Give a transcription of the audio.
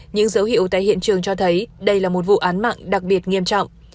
những dấu hiệu tại hiện trường cho thấy đây là một vụ án mạng đặc biệt nghiêm trọng